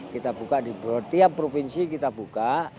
kita buka di tiap provinsi kita buka